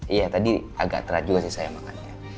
iya tadi agak terat juga sih saya makannya